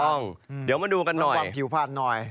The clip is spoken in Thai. ถูกต้องเดี๋ยวมาดูกันหน่อย